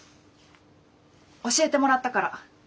教えてもらったから。